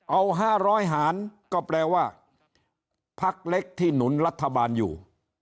เอา๕๐๐หารก็แปลว่าพักเล็กที่หนุนรัฐบาลอยู่